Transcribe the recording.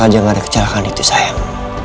kalau saja gak ada kecelakaan itu sayang